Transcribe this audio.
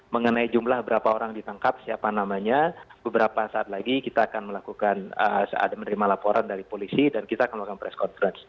mengenai jumlah berapa orang ditangkap siapa namanya beberapa saat lagi kita akan melakukan saat menerima laporan dari polisi dan kita akan melakukan press conference